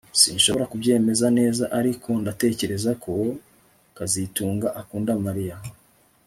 Sinshobora kubyemeza neza ariko ndatekereza ko kazitunga akunda Mariya